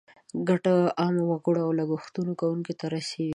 ګټه عامو وګړو او لګښت کوونکو ته رسیږي.